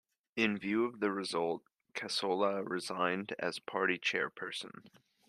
In view of the result, Cassola resigned as Party Chairperson.